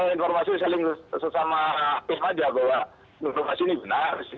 informasi saling sesama tim saja bahwa informasi ini benar